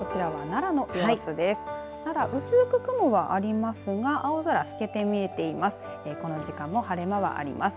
奈良、薄く雲はありますが青空、透けて見えています。